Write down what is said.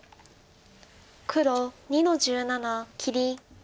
黒２の十七切り。